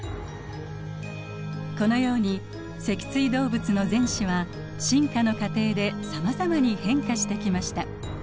このように脊椎動物の前肢は進化の過程でさまざまに変化してきました。